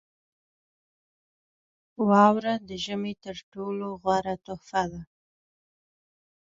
• واوره د ژمي تر ټولو غوره تحفه ده.